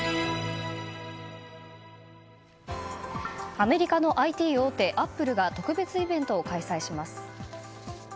アメリカのＩＴ大手アップルが特別イベントを開催します。